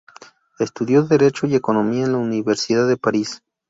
Estudió derecho y economía en la Universidad de París.